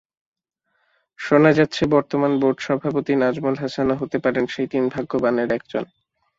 শোনা যাচ্ছে, বর্তমান বোর্ড সভাপতি নাজমুল হাসানও হতে পারেন সেই তিন ভাগ্যবানের একজন।